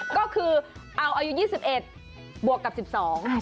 ก็คือเอาอายุยี่สิบเอ็ดบวกกับสิบสอง